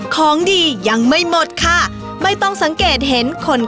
ของดียังไม่หมดค่ะไม่ต้องสังเกตเห็นคน